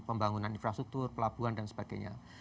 pembangunan infrastruktur pelabuhan dan sebagainya